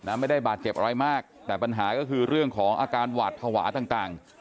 ไม่ได้บาดเจ็บอะไรมากแต่ปัญหาก็คือเรื่องของอาการหวาดภาวะต่างต่าง